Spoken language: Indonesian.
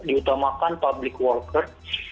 diutamakan public worker